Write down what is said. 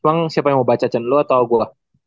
cuman siapa yang mau baca chen lu atau gua